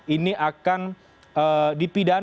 ini akan dipindahkan